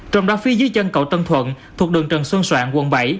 trong đó phía dưới chân cầu tân thuận thuộc đường trần xuân soạn quận bảy